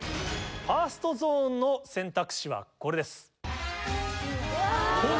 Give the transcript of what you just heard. ファーストゾーンの選択肢はこれです。